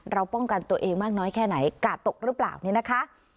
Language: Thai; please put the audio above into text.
ป้องกันตัวเองมากน้อยแค่ไหนกาดตกหรือเปล่าเนี่ยนะคะ